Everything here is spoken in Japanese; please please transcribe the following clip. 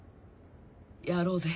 やろうぜ。